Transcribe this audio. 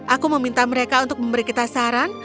aku meminta mereka untuk memberi kita saran